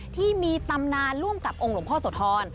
ที่มีตำนานร่วมกับองค์หลวงพ่อโสธร